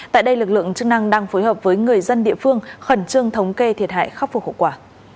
tại đây lực lượng chức năng đang phối hợp với người dân địa phương khẩn trương thống kê thiệt hại khắc phục hậu quả